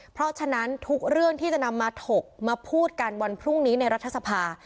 เพราะฉะนั้นทุกเรื่องที่จะนำมาถกมาพูดกันวันพรุ่งนี้ในรัฐสภา